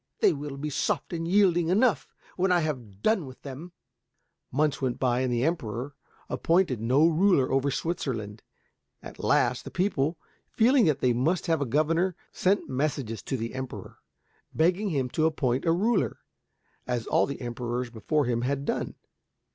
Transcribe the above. They will be soft and yielding enough when I have done with them." Months went by and the Emperor appointed no ruler over Switzerland. At last the people, feeling that they must have a governor, sent messengers to the Emperor, begging him to appoint a ruler, as all the Emperors before him had done.